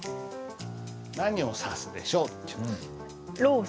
何を指すでしょうっていうね。